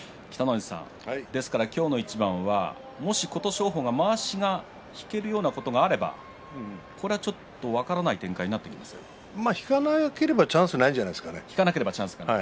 ですから今日の一番はもし琴勝峰がまわしを引けるようなことがあればちょっと分からない展開に引かなければチャンスがないんじゃないですかね。